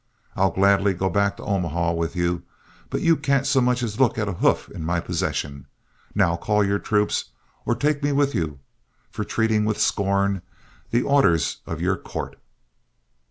I'll gladly go back to Omaha with you, but you can't so much as look at a hoof in my possession. Now call your troops, or take me with you for treating with scorn the orders of your court."